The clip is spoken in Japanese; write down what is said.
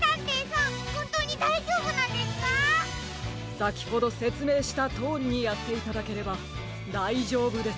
さきほどせつめいしたとおりにやっていただければだいじょうぶです。